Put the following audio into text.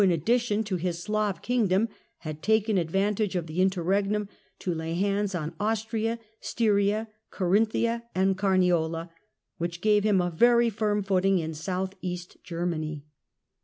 — addition to this Slav Kingdom, had taken advantage a Slav of the Interregnum to lay hands on Austria, Styria, j^^^^g^^i^'^'' Carinthia and Carniola, which gave him a very firm foot Germany hold in South East Germany.